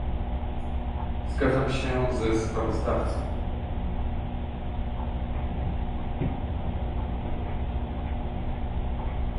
Zgadzam się ze sprawozdawcą